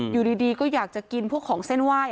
อยู่ดีก็อยากจะกินพวกของเส้นไหว้